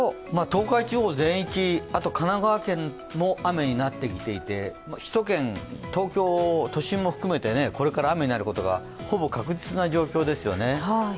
東海地方全域、あと神奈川県も雨になってきていて首都圏、東京も含めてこれから雨になることがほぼ確実な状況ですよね。